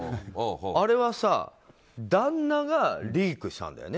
あれは旦那がリークしたんだよね